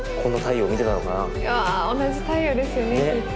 同じ太陽ですよねきっと。